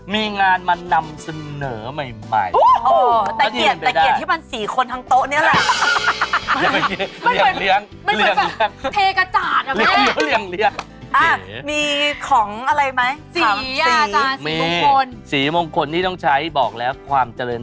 มีงานมานำเสนอใหม่